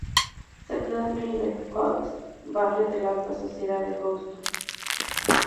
Se crio en River Oaks, barrio de la alta sociedad de Houston.